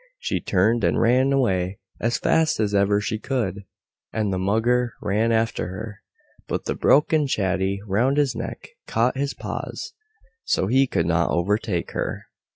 She turned and ran away as fast as ever she could, and the Mugger ran after her. But the broken chatty round his neck caught his paws, so he could not overtake her.